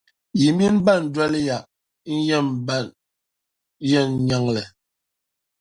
yi mini ban doli ya n-nyɛ ban yɛn nyaŋli.